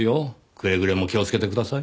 くれぐれも気をつけてください。